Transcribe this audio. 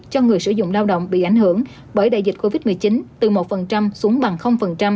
cho người sử dụng lao động bị ảnh hưởng bởi đại dịch covid một mươi chín từ một xuống bằng